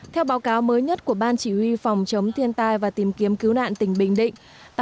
theo báo cáo mới nhất của ban chỉ huy phòng chống thiên tai và tìm kiếm cứu nạn tỉnh bình định